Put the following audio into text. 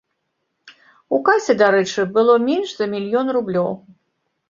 У касе, дарэчы, было менш за мільён рублёў.